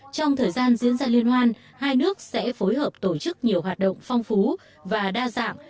trong thời gian diễn ra liên hoan hai nước sẽ phối hợp tổ chức nhiều hoạt động phong phú và đa dạng